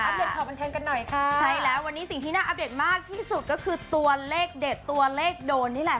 เดตข่าวบันเทิงกันหน่อยค่ะใช่แล้ววันนี้สิ่งที่น่าอัปเดตมากที่สุดก็คือตัวเลขเด็ดตัวเลขโดนนี่แหละ